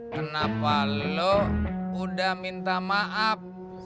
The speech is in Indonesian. kenapa lo udah minta maaf